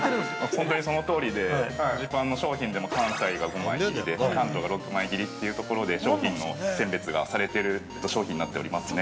本当にそのとおりでフジパンの商品でも関西が５枚切りで、関東が６枚切りというところで、商品の選別がされている商品になっておりますね。